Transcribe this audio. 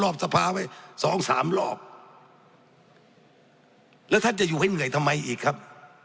รอบสภาพไว้สองสามรอกท่านจะอยู่ให้เหงื่อไหนอีกครับ